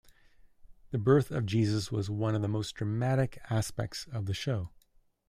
The birth of Jesus was one of the most dramatic aspects of the show.